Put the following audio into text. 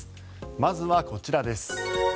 まずはこちらです。